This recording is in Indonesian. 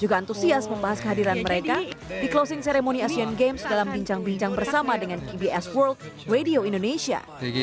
juga antusias membahas kehadiran mereka di closing ceremony asian games dalam bincang bincang bersama dengan kbs world radio indonesia